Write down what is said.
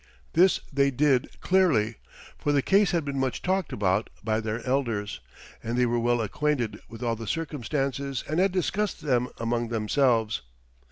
This they did clearly, for the case had been much talked about by their elders, and they were well acquainted with all the circumstances and had discussed them among themselves.